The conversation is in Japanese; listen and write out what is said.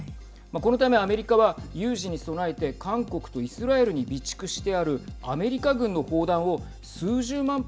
このためアメリカは有事に備えて韓国とイスラエルに備蓄してあるアメリカ軍の砲弾を数十万発